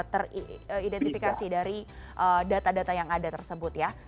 teridentifikasi dari data data yang ada tersebut ya